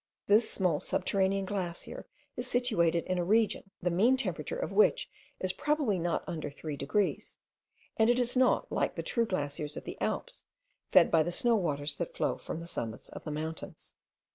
This small subterraneous glacier is situated in a region, the mean temperature of which is probably not under three degrees; and it is not, like the true glaciers of the Alps, fed by the snow waters that flow from the summits of the mountains.